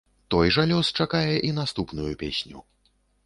Той жа лёс чакае і наступную песню.